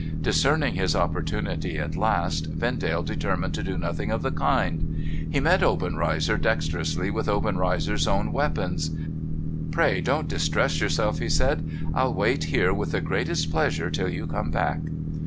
Discerning his opportunity at last, Vendale determined to do nothing of the kind. He met Obenreizer dexterously, with Obenreizer's own weapons. ' Pray don't distress yourself,' he said. ' I'll wait here with the greatest pleasure till you come back.'